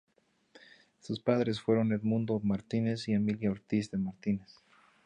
Sus padres fueron Edmundo Martínez y Emilia Ortiz de Martínez.